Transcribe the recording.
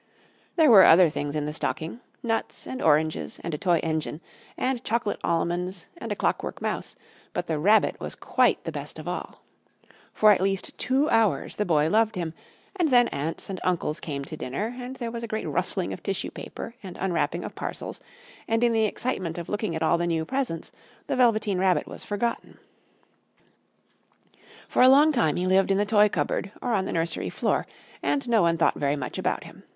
There were other things in the stocking, nuts and oranges and a toy engine, and chocolate almonds and a clockwork mouse, but the Rabbit was quite the best of all. For at least two hours the Boy loved him, and then Aunts and Uncles came to dinner, and there was a great rustling of tissue paper and unwrapping of parcels, and in the excitement of looking at all the new presents the Velveteen Rabbit was forgotten. Christmas Morning For a long time he lived in the toy cupboard or on the nursery floor, and no one thought very much about him.